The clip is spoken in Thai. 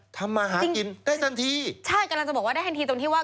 ทำมาหากินได้ทันทีใช่กำลังจะบอกว่าได้ทันทีตรงที่ว่า